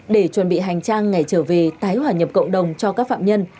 để chuẩn bị hành trang ngày trở về tái hòa nhập cộng đồng cho các phạm nhân